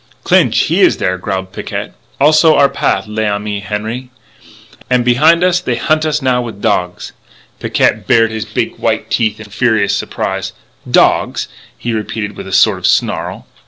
"Clinch, he is there," growled Picquet. "Also our path, l'ami Henri.... And, behind us, they hunt us now with dogs." Picquet bared his big white teeth in fierce surprise. "Dogs?" he repeated with a sort of snarl.